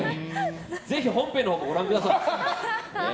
ぜひ、本編もご覧ください。